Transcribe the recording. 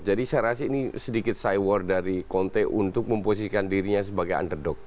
jadi saya rasa ini sedikit side war dari kunti untuk memposisikan dirinya sebagai underdog